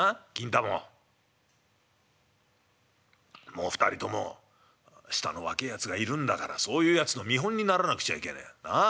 もう２人とも下の若えやつがいるんだからそういうやつの見本にならなくちゃいけねえ。なあ？